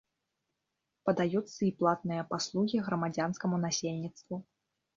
Падаюцца і платныя паслугі грамадзянскаму насельніцтву.